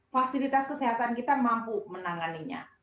fasilitas kesehatan kita mampu menanganinya